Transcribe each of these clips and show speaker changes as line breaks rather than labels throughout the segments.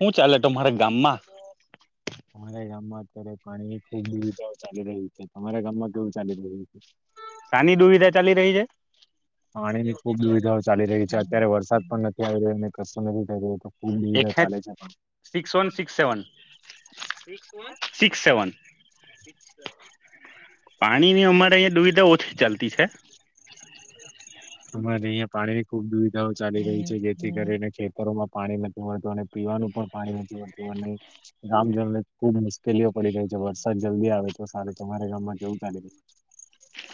હું ચાલે તમારા ગામમાં
અમારા ગામમાં અત્યારે પાણીની ખુબ દુવિધાઓ ચાલી રહી છે તમારા ગામમાં કેવું ચાલી રહ્યું છે.
સાની દુવિધા ચાલી રહી છે.
પાણીની ખુબ દુવિધાઓ ચાલી રહી છે અત્યારે વરસાદ પણ નથી આવી રહ્યોને કસ મને બી કેયલુ હોય તો ખુબ દુવિધા
એકસેઠ
ચાલે છે પણ
six one six seven six seven પાણીની અમારે અંયા દુવિધા ઓછી ચાલતી છે
તમારે અહીયા પાણીની ખુબ દૂવિ ધાઓ ચાલી રહી છે જેથી કરીને ખેતરોમાં પાણી નથી મળતું અને પીવાનું પણ પાણી નથી મળતું અને ગામજનોને ખુબ મુશ કેલીઓ પડી ગઈ જબર તો જલ્દી આવે તો સારું તમારા ગામમાં જવું છે આજે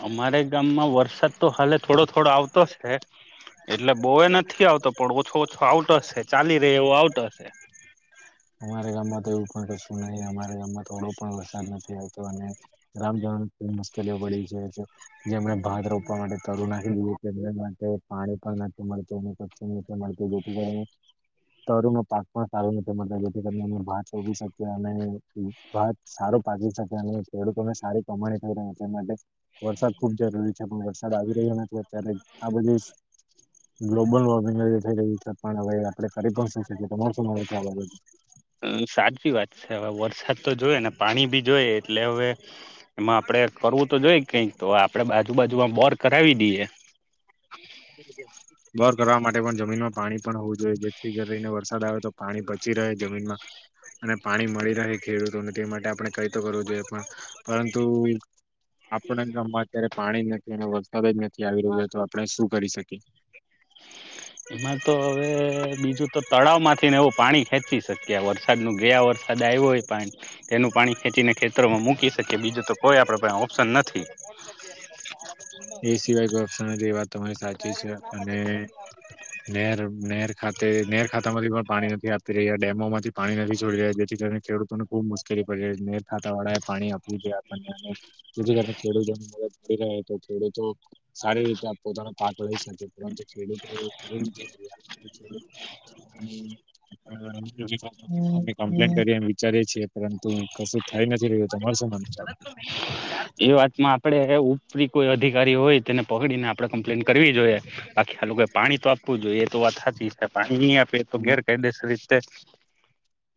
અમારે ગામમાં વરસાદ તો હાલે થોડો થોડો આવતોશે એટલે બોવે નથી આવતો પણ ઓછો ઓછો આવતો શે ચાલી રે એવો આવતો શે
અમારા ગામમાં તો એવું પણ કશું નહી અમારા ગામમાં થોડો પણ વરસાદ નથી આવતો અને ગામજનો મુશ્કેલીઓ પડી છે જે જેમને ભાત રોપવા માટે કરુ ને માટે પાણી પણ નથી મળતું કું નથી મળતું જેથી કરીને તરુ નો પાક પણ સારો નથી મળતો જેથી કરીને અમે ભાત રોપી શકીએ અને ભાત સારું પાકી શકે અને ખેડૂતોને સારી કમાણી થઈ રહે છે માટે વરસાદ ખુબ જરૂરી છે પણ વરસાદ આવી રહ્યો નથી. ત્યારે આ બધી ગ્લોબલ વોર્મિંગ થઈ ગય છે પણ હવે આપણે કરી પણ શું શકીએ તમારું શું માનવું છે આ બાબતે?
અમ સાચી વાત છે હવે વરસાદ તો જોયે ને પાણી બી જોઈ એટલે હવે એમાં આપડે કરવું તો જોઈએ કઈક તો આપડે બાજુ બાાજુમાં બોર કરાવી દઈએ.
બર કરવા માટે પણ જમીનમાં પાણી પણ હોવું જોઈએ જેથી કરીને વરસાદ આવે તો પાણી પચી રહે જમીનમાં અને પાણી મળી રહે ખેડૂતોને તે માટે આપણે કઈ તો કરવું જોઈએ પણ પરંતુ આપણા ગામમાં અત્યારે પાણી જ નથી અને વરસાદ જ નથી આવી રહ્યો હોય તો આપણે શું કરી શકે.
એમાં તો હવે બીજું તો તળાવ માંથી ને એવું પાણી ખેંચી શકએ વરસાદ ન ગયા વરસાદ આવ્યો હોય પા તેનું પાણી ખેંચી ને ખેતરોમાં મૂકી શકી બીજું તો કોઈ આપડ પા ઓપ્શન નથી
એ સિવાય કોઈ ઓપ્શન વાત તમારી સાચી છે અનેર નેર ખાતે નેર ખાતામાંથી પણ પાણી નથી આપી રહ્યા ડેમોમાંથી પાણી નથી છોડી રહ્યા જેથી કરીને ખેડૂતોને ખુબ મુશ્કેલી પડી રહી નેર ખાતા વાળા એ પાણી આપવું જોઈએ આપણને જેથી કરીને ખેડૂતોને મદદ મળડી રહે એ તો સારી રીતે પોતાનો પાક લઈ શકે ખેડૂત કરી અમે કમ્પ્લેન કરીને વિચારી યે. કરે છે પરંતુ કશું થઈ નથી રહ્યું તમાર શું કહેવું છે.
એ વાતમાં આપડે ઉપરી કોઈ અધિકારી હોય તેને પકડી ને આપડે કમ્પ્લેન કરવી જોઈએ લોકો પાણી તો આપવું જોઈએ એ તો વાત હાચી છે પાણી ની તો. એ તો
અમુક
ગેરકાયદેસર રીતે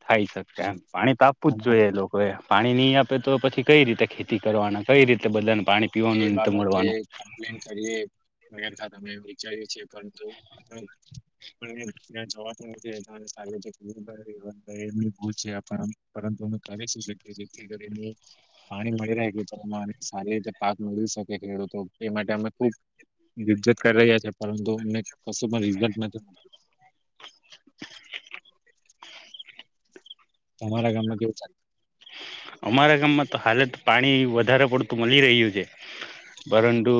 થાઈ શકશે એમ પાણી તો આપવું જ
અમારે
જોઈએ એ લોકો એ પાણી નહી આપે તો પછી કઈ રીતે ખેતી કરશે. કઈ રીતે કરવાના બધા.
એ બાબતે કમ્પ્લેન કરીએ. અમે વિચારીએ છીએ જવા નથી રતે છેંતુ કરીશ જે કરી પાણી મળી રહે કે સારી રીતે પાક મેળવી શકે ખેડૂતો એ માટે અમે ખુબ જજ્જત કરી રહ્યા છે પરંતુ અમને કશું પણ રિઝલ્ટ નથી મળતું. તમારા ગામમાં કેવું ચાલે છે.
અમારા ગામમાં તો હાલે. પાણી વધારે પડતું મળી રહ્યું છે પરંતુ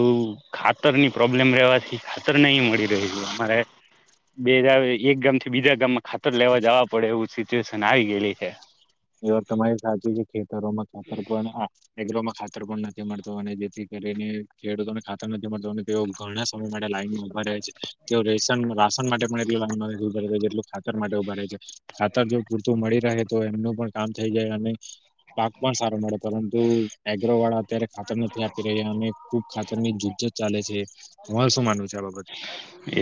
ખાતરની પ્રોબ્લેમ રવાથી ખાતર નહીં મળી રહ્યું છે અમારે બે એક ગામ થી બીજા ગામમાં ખાતર લેવા જવું પડે છે. ખાતર લેવા જવું પડે એવું છે. સિચવેસ આવી ગયેલી છે.
એ વાત તમારી સાચી છે ખેતરોમાં ખાતર પણ નથી મળતો અને જેથી કરીને ખેડૂતોને ખાતર નથી મળતો અને તેઓ ઘણા સમય માટે લાઈનમાં ઉભા રહે છે તેઓ રેશન રાશન માટે પણ એટ લાઈનમાં નથી ઉભા જેટલું ખાતર માટે ઉભા રહે છે ખાતર જો પૂરતું મળી રહે તો એમનું પણ કામ થઈ જાય અને પાક પણ સારો મળે પરંતુ એગ્રો વાળ અત્યારે. ખાતર નથી આપી રહ્યા અને ખુબ ખાતર ની જુજ્જત ચાલે છે તમાર શું માનવું છે. આ બાબત પર?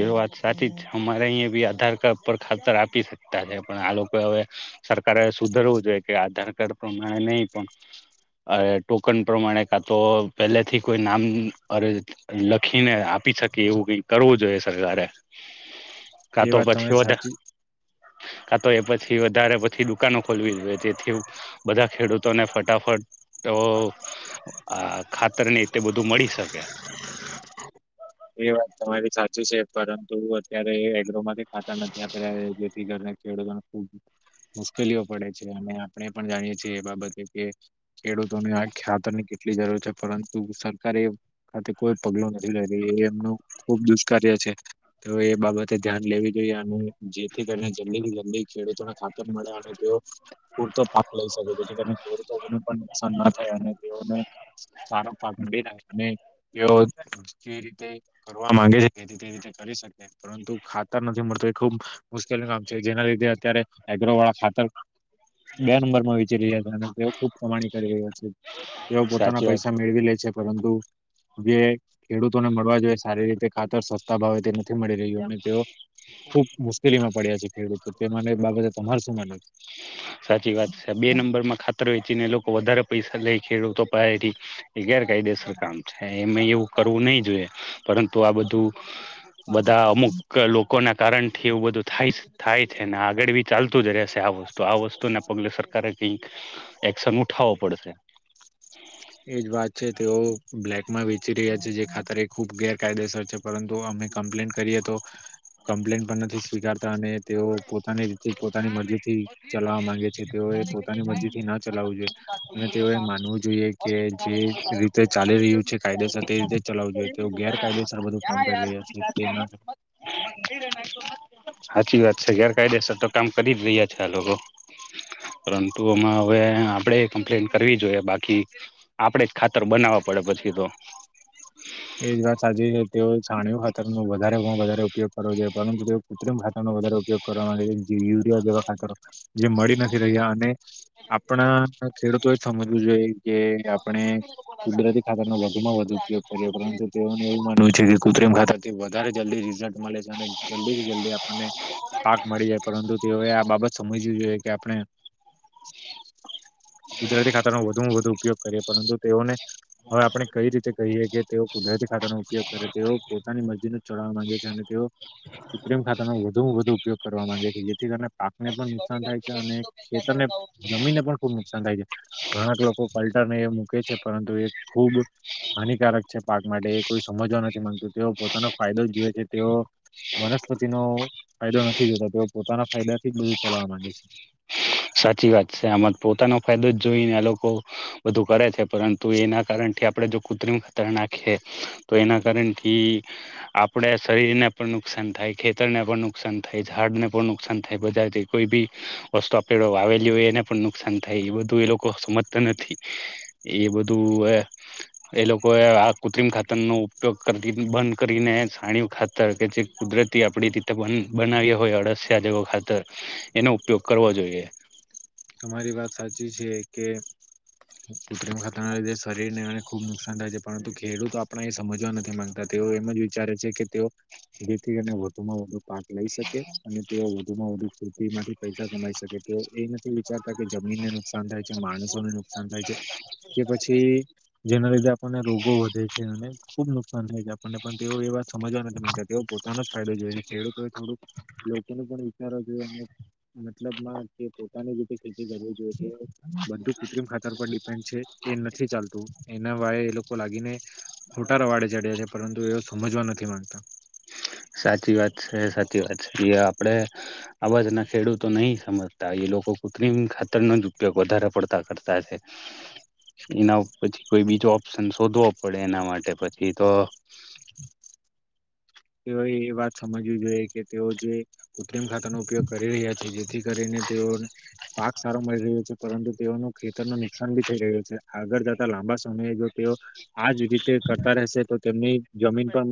એ વાત સાચી જ છે અમારે અહીંયા આધાર કાર્ડ પર ખાતર આપી શકાય. તતાણ પણ આ લોકો હવે સરકારે સુધરવું જોઈએ કે આધાર કાર્ડ? પ્રમાણે નહી પણ ટોકન પ્રમાણે ખાતાર માણવું જોઈએ. તો પહેલેથી કોઈ નામ અ લખીને આપી શકે એવું કઈ કરવું જોઈએ સરકાર ને. કા
એ
તો
વાત તમે
પછી વધારે.
સાચી
તો એ પછી વધારે પછી દુકાનો ખોલવી જોઈએ તેથી બધા ખેડૂતોને ફટાફટ. આ ખાતર ની તે બધું મળી શકે.
એ વિશે પરંતુ અત્યારે? ઘઉં માંથી ખાતર નથી આપીરહ્યાં જેથી કરીને? ખેડૂતોને ખુબ મુશ્કેલીઓ પડે છે અને આપણે પણ જાણીએ છીએ એ બાબતે કે ખેડૂતોને આ ખ્યાતરની કેટલી જરૂર છે પરંતુ સરકાર એ ખાતે કોઈ પગલો નથી લેતું. એ એમનું ખુબ દુષ્કાર્ય છે તો એ બાબતે ધ્યાન લેવી જોઈએ અને જેથી કરીને જલ્દી થી જલ્દી ખેડૂતોને ખાતર મળે અને તેઓ પૂરતો પાક લઈ શકે તેથી કરીને ખેડૂતોને પણ નુકસાન ના થાય અને તેઓને સારો પાક મળી રહેાય અને તેઓ [inaudible] જે રીતે કરવા માંગે છે તે તે રીતે કરી શકે પરંતુ ખાતર નથી મળતું એ ખુબ મુશ્કેલ નું કામ છે જેના લીધે અત્યારે એગ્રો વાળા ખાતર બે નંબરમાં વિચરી રહ્યા હતા અને તેઓ ખૂબ કમાણી કરી રહ્યા છે. તેઓ પોતાના
સાચી વાત
પૈસા મેળવી લે છે. પરંતુ જે. ખેડૂતોને મળવા જોઈએ સારી રીતે ખાતર સસ્તા ભાવે તે નથી મળી રહ્યું અને તેઓ ખુબ મુશ્કેલીમાં પડ્યા છે ખેડૂતો તેને બાબતે તમાર શું માનવુ છે.
સાચી વાત છે બે નંબર માં ખાતર વેચીને લોકો વધારે પૈસા લઈ. ખેડૂતો પાસે થી. એ ગેરકાયદેસર કામ છે. એમાં એવું. કરવું નહીં જોઈએ પરંતુ આ બધું તોય ચાલી રહ્યું છે. બધા અમુક લોકો છે એ ન માને. લોકોના કારણથી એવું બધું થાય છે ને આગળ બી ચાલતું જ રહેશે. તો આ વસ્તુને પગલે સરકારારે એક એક્શન ઉઠાવો પડશે.
એજ વાત છે તેઓ બ્લેક માં વેચી રહા છે જે ખાત ખુબ ગેર કાયદેસર છે પરંતુ અમે કમ્પ્લેન કરીએ તો કમ્પ્લેન પણ નથી સ્વીકારતા અને તેઓ પોતાની પોતાની મરજી થી ચલાવવા માંગે છે તેઓએ પોતાની મરજી થી ના ચલાવવું જોઈએ અને તેઓએ માનવું જોઈએ. કે જે રીતે ચાલી રહ્યું છે કાયદેસર તે રીતે ચલાવું જોઈએ તેઓ ગેરકાયદેસર બધું કામ કરી રહ્યા છે તે ના
સર ગેર કઈદેસર કામ કરી જ રહ્યા છે આ લોકો પરંતુ એમાં હવે આપડે કમ્પ્લેન કરવી જોઈએ બાકી આપડે જ ખાતર બનાવવા પડે પછી તો.
એ વાત સાચી છે. તે છાણીઓ ખાતર ને વધારે વધારે. ઉપયોગ કરાવો છે પરંતુ તો કૃત્રમ ભાસા નો વધારે ઉપયોગ કરવા યુરિયા વવાખા કર જે મળી નથી રહ્યા અને આપણા ખેડૂતો સમજ એવું જોઈએ કે આપણે કુદરતી ખાતાનો વધુમાં વધુ ઉપયોગ તે પરણ તુઓને એવું માનવું છે. કૃત્રિમ ખાતાથી વધારે જલ્દી રિઝલ્ટ મળે છે અને જલ્દી થી જલ્દી આપણને પાક મળી જાય પરંતુ તેઓએ આ બાબત સમજવી જોઈએ કે આપણે કુદરતી ખાતાનો વધુમાં વધુ ઉપયોગ કરીએ પરંતુ તેઓને હવે આપણે કઈ રીતે કહીએ કે તેઓ કુદરતી ખાતાનો ઉપયોગ કરે તેઓ પોતાની મસ્જિદ જ ચડવા માંગે છે અને તેઓ કૃત્રિમ ખાતાનો વધુ વધુ ઉપયોગ કરવા માંગે છે જેથી કરી પાક એને પણ નુકસાન થાય છે અને ખેતરને જમીનને પણ ખુબ નુકસાન થાય છે ઘણાક લોકો પલટા ને મૂકે છે. છે પરંતુ એ ખૂબ હાનિકારક. પાક માટે કોઈ સમજવા નથી માંગતું તેઓ પોતાનો ફાયદો જ જોએ છે તેઓ વનસ્પતિનો ફાયદો નથી જોતા તેઓ પોતાના ફાયદાથી બધું ચલાવા માંગે છે.
સાચી વાત છે આમાં પોતાનો ફાયદો જ જોઈને આ લોકો બધું કરે છે. પરંતુ એના કારનથી આપણે જો કૂત્રમ ખતર નાખીએ તો એના કારણથી આપણે શરીરને પણ નુકસાન થાય ખેતરને પણ નુકસાન થાય ઝાડને પણ નુકસાન થાય બધાથી કોઈ બી વસ્તુ પેડો આવેલી હોય એને પણ નુકસાન થાય એ બધું એ લોકો સમજતા નથી એ બધું એ લોકોએ આ કૃત્રિમ ખાતર નો ઉપયોગતી બંધ કરીને સાણી ખાતર કે જે કુદરતી આપડી રીતે બનાવ્યા હોય અળસિયાજગો ખાતર એનો ઉપયોગ કરવો જોઈએ.
તમારી વાત સાચી છે કે કૃત્રિમ ખાતાની શરીરને એને ખુબ નુકસાન થાય છે પરંતુ ખેડૂતો આપણા એ સમજવા નથી માંગતા તેઓ એમ જ વિચારે છે કે તેઓ જેથીને વધુમાં વધુ પાક લઈ શકે અને તેઓ વધુમાં વધુ ખૃતિ માંથી પૈસા કમાઈ શકે તો એ વિચારતા કે જમીનનું નુકસાન થાય છે માણસોને નુકસાન થાય છે કે પછી જેના લીધે આપણને રોગો વધે છે અને ખુબ નુકસાન થાય છે આપણને પણ તેઓ એ વાત સમજવા નથી માંગતા તેઓ પોતાનો જ ફાયદો જોઈ ખેડૂતો એ થોડુંક લોકોને પણ વિચારવ જોઈએ મતલબમાં પોતાની રીતે ખેતી કરવી જોઈએ બધું કૃત્રિમ ખાતર પર ડિપેન્ડ છે એ નથી ચાલતું એના વાયે એ લોકો લાગીને ખોટાર વાડે ચડ્યા છે પરંતુ એવ સમજવા નથી માંગતા
સાચી વાત છે સાચી વાત છે એ આપડે આવાજ ના ખેડૂતો નહી સમજતા એ લોકો કૃત્રત્રિમ ખાતરનો જ ઉપયોગ વધારે પડતા કરતા છે એના પછી કોઈ બીજો ઓપ્શન શોધવો પડે એના માટે પછી તો
તેઓએ એ વાત સમજવી જોઈએ કે તેઓ જે કૃત્રિમ ખાતરનો ઉપયોગ કરી રહ્યા છે જેથી કરીને તેઓ પાક સારો મળી રહ્યો છે પરંતુ તેઓનું ખેતર ન નુકસાન ભી થઈ રહ્યું છે આગળ જતા લાંબા સમયે તેઓ આજ રીતે કરતા રહેશે તો તેમનેની જમીન પણ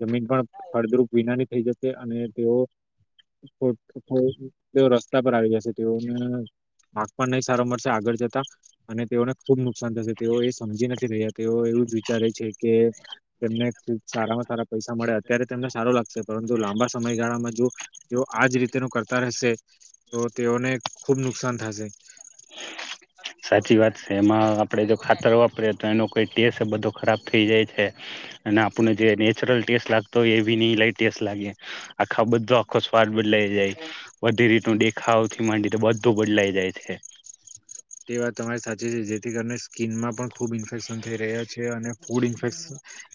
જમીન પણ બનાની જ અને તેઓ તેઓ રસ્તા પર આવી જશે તેઓને માર્ક પણ નહી સારો મળશે આગળ જતા અને તેઓને ખુબ નુકસાન થશે તેઓ એ સમજી નથી રહ્યા તેઓ એવું જ વિચારે છે કે તેમને સારામાં સારા પૈસા મળ્યા ત્યારે તેમને સારો લાગશે પરંતુ લાંબા સમયગાળામાં જો જો આજ રીતે ન કરતા રહેશે તો તેઓને ખુબ નુકસાન થશે
સાચી વાત છે એમાં આપડે જો ખાતર આપડે તો એનો કોઈ ટેસ્ટ બધો ખરાબ થઈ જાય છે અને આપને જે નેચરલ ટેસ્ટ લાગતો હોય એ બી નહ લ ટેસ્ટ લાગે આખા બધો આખો સ્વાદ બદલાઈ જાય વધી રીત દેખાવથી માંડી તો બધો બદલાઈ જાય છે
તે વાત તમારી સાચી છે જેથી કરીને સ્કીિનમાં પણ ખૂબ ઇન્ફેક્શન થઈ રહ્યા છે અને ફૂડ ઇન્ફેક્શ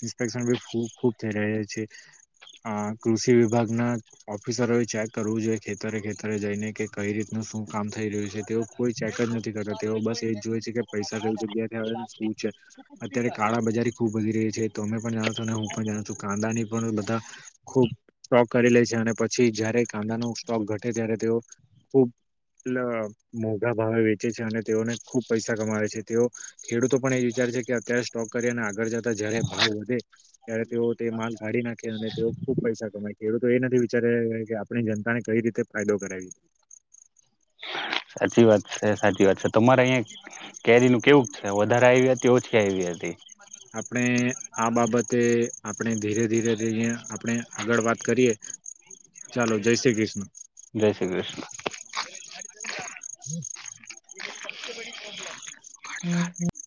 ઇન્ફેક્શની ખૂબ થઈ રહ્યા છે કૃષિ વિભાગના ઓફિસરો ચેક કરવું જોઈએ ખેતરે ખેતરે જઈને કે કઈ રીતનું શું કામ થઈ રહ્યું છે તે કોઈ ચેકર નથી તેઓ બસ એ જ જોય છે કે પૈસા થ જગ્યાથી શું છે અત્યારે કાળા બજારી ખુબ વધી રહી છે તમે પણ જાણો છો અને હું પણ જાણું છું કાંદા ની પણ બધા ખુબ કરી લે છે અને પછી જયારે કાંદા ન સ્ટોક ઘટે ત્યારે તેઓ ખૂબ મોઘા ભાવે છે અને તેઓને ખુબ પૈસા કમાવે છે તેઓ ખેડૂતો પણ એ વિચાર છે કે અત્યારે સ્ટોક કરી અને આગળ જતા જયારે ભાવ વધે ત્યારે તેઓ તે માલ કાઢી નાખે અને તેઓ ખુબ પૈસા કમાય ખેડૂત તો એ નથી વિચારી કે આપણી જનતાને કઈ રીતે ફાયદો કરાવી
[inaudible] સાચી વાત છે સાચી વાત છે તમારે અહીિયાં કેરી નું કેવું છે વધારે આવી તેઓ જ કેવી હતી
આપણે આ બાબતે આપણે ધીરે ધીરે આપણે આગળ વાત કરીએ ચાલો જય શ્રી કૃષ્ણ
જય શ્રી [inaudible] હમ હમ [inaudible]